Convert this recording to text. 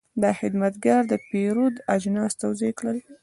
دا خدمتګر د پیرود اجناس توضیح کړل.